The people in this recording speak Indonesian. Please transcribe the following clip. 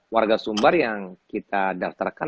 warga sumber yang kita daftarkan